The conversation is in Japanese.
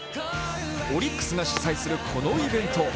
オリックスが主催するこのイベント。